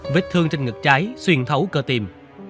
vết thương trên ngực trái xuyên thấu cơ tim